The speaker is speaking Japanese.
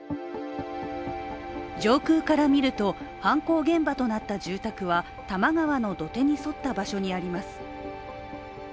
上空から見ると、犯行現場となった住宅は多摩川の土手に沿った場所にあります。